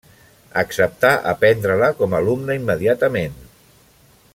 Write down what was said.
Acceptà a prendre-la com a alumna immediatament.